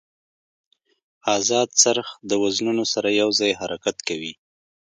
ازاد څرخ د وزنونو سره یو ځای حرکت کوي.